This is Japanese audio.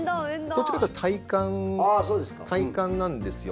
どっちかというと体幹なんですよ。